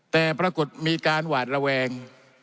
แต่ปรากฏมีการหวาดระแวง